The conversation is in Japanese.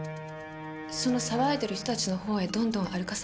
その騒いでる人たちの方へどんどん歩かされて。